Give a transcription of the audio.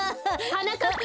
はなかっぱ！